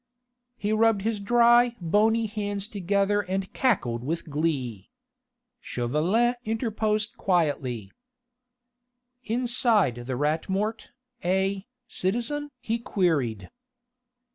He rubbed his dry, bony hands together and cackled with glee. Chauvelin interposed quietly: "Inside the Rat Mort, eh, citizen?" he queried.